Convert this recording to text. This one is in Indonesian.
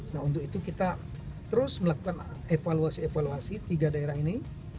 nah untuk itu kita terus melakukan evaluasi evaluasi tiga daerah ini